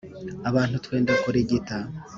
abantu twenda kurigita.